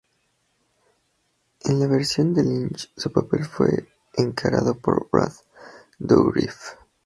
En la versión de Lynch su papel fue encarnado por Brad Dourif.